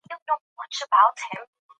سیاسي پروسې باید دوامداره وي